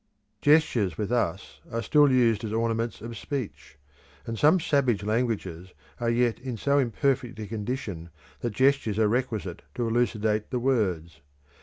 Gestures with us are still used as ornaments of speech, and some savage languages are yet in so imperfect a condition that gestures are requisite to elucidate the words.